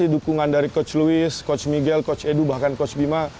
dukungan dari coach louis coach miguel coach edu bahkan coach bima